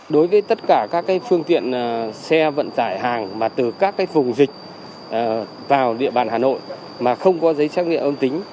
đối với tất cả các phương tiện xe vận tải hàng mà từ các vùng dịch vào địa bàn hà nội mà không có giấy xác nghiệm âm tính